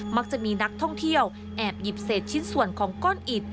มักจะมีนักท่องเที่ยวแอบหยิบเศษชิ้นส่วนของก้อนอิด